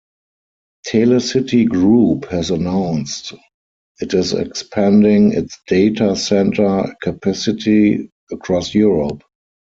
TelecityGroup has announced it is expanding its data centre capacity across Europe.